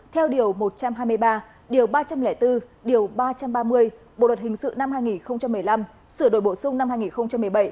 theo điều một trăm hai mươi ba điều ba trăm linh bốn điều ba trăm ba mươi bộ luật hình sự năm hai nghìn một mươi năm sửa đổi bổ sung năm hai nghìn một mươi bảy